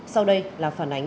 sau đây là phản ánh